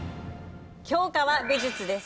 教科は美術です。